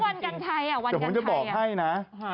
อ๋อแล้ววันการไทยนะแต่ผมจะบอกให้นะ